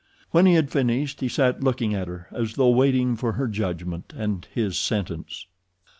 When he had finished he sat looking at her, as though waiting for her judgment, and his sentence.